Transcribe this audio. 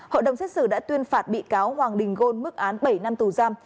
hội đồng xét xử đã tuyên phạt bị cáo hoàng đình gôn mức án bảy năm tù giam